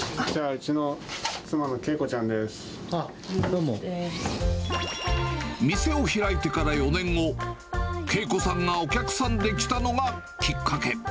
こちら、店を開いてから４年後、慶子さんがお客さんで来たのがきっかけ。